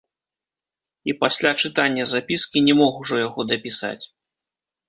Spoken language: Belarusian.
І пасля чытання запіскі не мог ужо яго дапісаць.